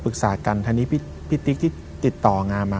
แค่นี้พี่ติ๊กติดต่องานมา